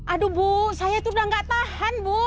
aduh bu saya itu udah gak tahan bu